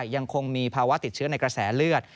ยังคงมีภาวะติดเชื้อในกระแสเลือด